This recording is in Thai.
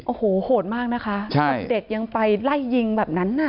โอ้โหโหดมากนะคะกับเด็กยังไปไล่ยิงแบบนั้นน่ะ